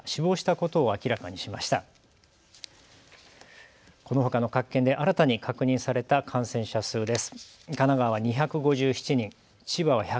このほかの各県で新たに確認された感染者数です。